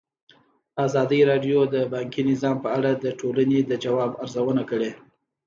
ازادي راډیو د بانکي نظام په اړه د ټولنې د ځواب ارزونه کړې.